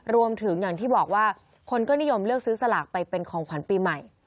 รวมถึงอย่างที่บอกว่าคนก็นิยมเลือกซื้อสลากไปเป็นของขวัญปีใหม่